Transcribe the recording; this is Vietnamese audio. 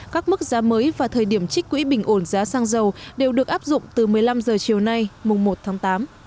các mức giá mới và thời điểm trích quỹ bình ổn giá xăng dầu đều được áp dụng từ một mươi năm h chiều nay mùng một tháng tám